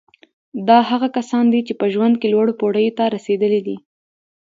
دا هغه کسان دي چې په ژوند کې لوړو پوړیو ته رسېدلي دي